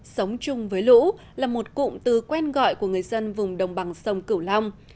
sống chung với lũ là một cụm từ quen gọi của người dân vùng đồng bằng sông cửu long